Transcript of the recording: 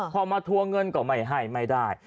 พอมาทัวร์เงินก็ไม่ให้ไม่ได้